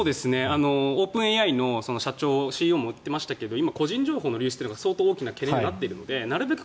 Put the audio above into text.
オープンＡＩの社長ＣＥＯも言ってましたが今、個人情報の流出というのが相当大きな懸念になっているのでなるべく